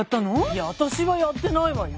いやあたしはやってないわよ。